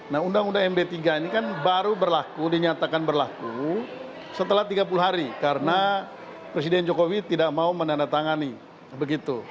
nah undang undang md tiga ini kan baru berlaku dinyatakan berlaku setelah tiga puluh hari karena presiden jokowi tidak mau menandatangani begitu